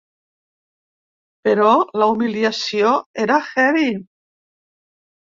Però la humiliació era heavy.